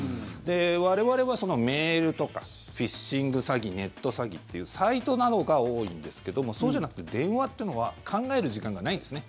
我々はメールとかフィッシング詐欺ネット詐欺っていうサイトなどが多いんですけどもそうじゃなくて、電話というのは考える時間がないんですね。